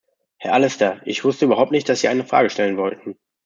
Herr Allister, ich wusste überhaupt nicht, dass Sie eine Frage stellen wollten.